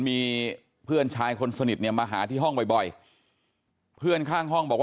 มีเพื่อนชายคนสนิทเนี่ยมาหาที่ห้องบ่อยเพื่อนข้างห้องบอกว่า